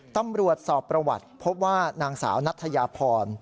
ตำรวจสอบประวัติพบว่านางสาวนัทยาพร